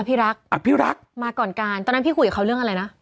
พี่รักอภิรักษ์มาก่อนการตอนนั้นพี่คุยกับเขาเรื่องอะไรนะ